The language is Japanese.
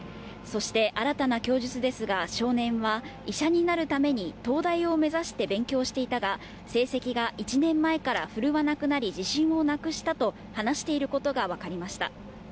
そして、新たな供述ですが、少年は医者になるために東大を目指して勉強していたが、成績が１年前から振るわなくなり、自信をなくしたと話していることが分かりました。